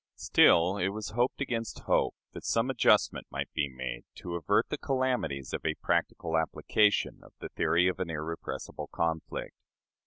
Still it was hoped, against hope, that some adjustment might be made to avert the calamities of a practical application of the theory of an "irrepressible conflict."